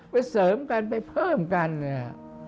เสริมกันไปเพิ่มกันเนี่ย